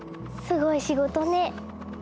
すごい仕事ね。